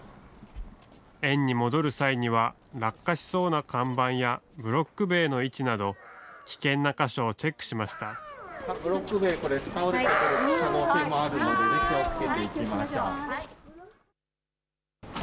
園に戻る際には、落下しそうな看板や、ブロック塀の位置など、危険な箇所をチェックしました。